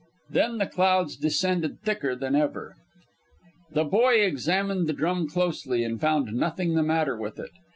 Then the clouds descended thicker than ever. The boy examined the drum closely, and found nothing the matter with it.